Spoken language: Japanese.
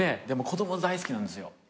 でも子供大好きなんですよ。